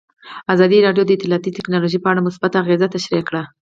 ازادي راډیو د اطلاعاتی تکنالوژي په اړه مثبت اغېزې تشریح کړي.